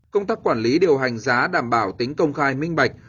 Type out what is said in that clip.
công tác quản lý điều hành giá đảm bảo tính công khai minh bạch